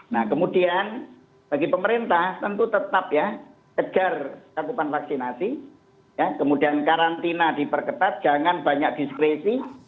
nah kemudian bagi pemerintah tentu tetap ya kejar cakupan vaksinasi kemudian karantina diperketat jangan banyak diskresi